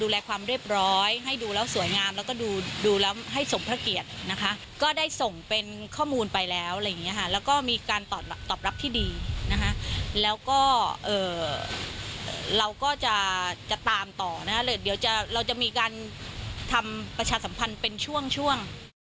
เราก็จะตามต่อนะครับเดี๋ยวเราจะมีการทำประชาสัมพันธ์เป็นช่วง